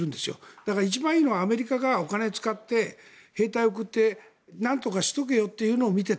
だから、一番いいのはアメリカがお金を使って兵隊を送ってなんとかしておけよと。